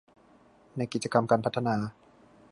ในกิจกรรมการพัฒนา